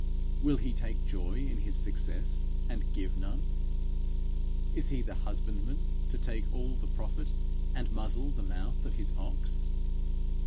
Will he take joy in his success and give none? Is he the husbandman to take all the profit, and muzzle the mouth of his ox?